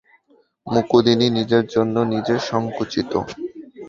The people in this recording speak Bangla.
কুমুদিনী নিজের জন্যে নিজে সংকুচিত।